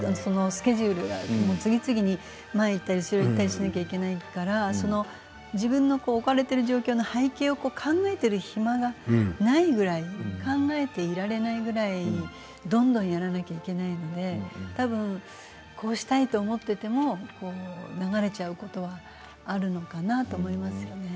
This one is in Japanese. スケジュールが次々に前にいったり後ろにいったりしなくちゃいけないから自分の置かれている状況の背景を考えている暇がないくらい考えていられないくらいどんどんやらなきゃいけないので多分、こうしたいと思っていても流れちゃうことがあるのかなと思いますよね。